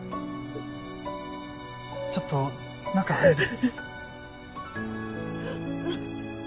ちょっと中入る？